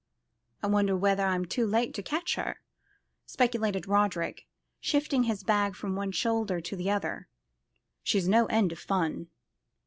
"I wonder whether I'm too late to catch her," speculated Roderick, shifting his bag from one shoulder to the other; "she's no end of fun."